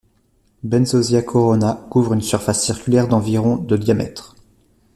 Benzozia Corona couvre une surface circulaire d'environ de diamètre.